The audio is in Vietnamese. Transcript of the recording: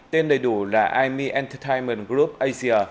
tên đầy đủ là ime entertainment group asia